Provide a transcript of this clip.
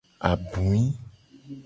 Abui.